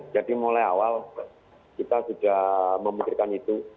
jadi mulai awal kita sudah memutirkan itu